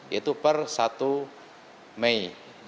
yaitu per satu mei